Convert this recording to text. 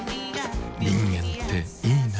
人間っていいナ。